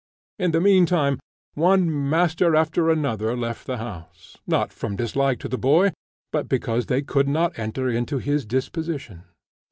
In the meantime one master after another left the house, not from dislike to the boy, but because they could not enter into his disposition.